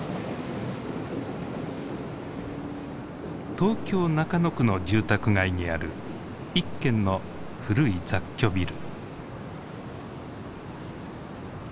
東京・中野区の住宅街にある一軒の古い雑居ビル。